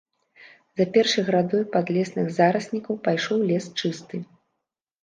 За першай градой падлесных зараснікаў пайшоў лес чысты.